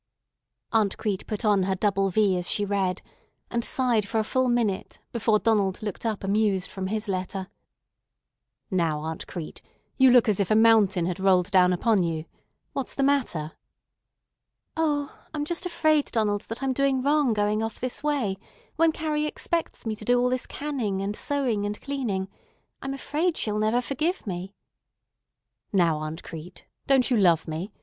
Aunt Crete put on her double V as she read, and sighed for a full minute before Donald looked up amused from his letter. "Now, Aunt Crete, you look as if a mountain had rolled down upon you. What's the matter?" "O, I'm just afraid, Donald, that I'm doing wrong going off this way, when Carrie expects me to do all this canning and sewing and cleaning. I'm afraid she'll never forgive me." "Now, Aunt Crete, don't you love me?